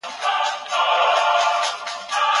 ډاکټر د ناروغ زړه ګوري.